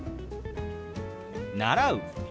「習う」。